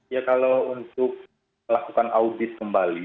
ya kalau untuk melakukan audit kembali